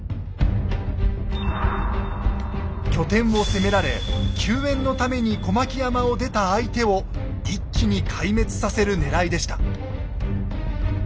拠点を攻められ救援のために小牧山を出た相手を一気に壊滅させるねらいでした。